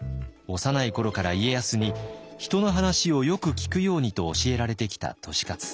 幼い頃から家康に「人の話をよく聞くように」と教えられてきた利勝。